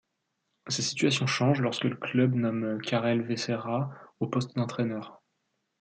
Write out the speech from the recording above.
Sa situation change lorsque le club nomme Karel Večeřa au poste d'entraîneur.